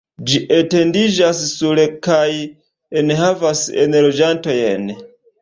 Ĝi etendiĝas sur kaj enhavas enloĝantojn.